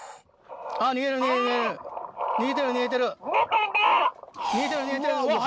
逃げてる逃げてる。